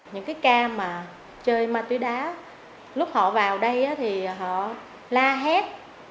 những cái ca mà chơi ma túy đá lúc họ vào đây thì họ la hét